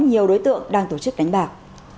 nhiều đối tượng đang tổ chức đánh bạc